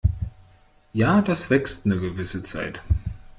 Ja, das wächst 'ne gewisse Zeit.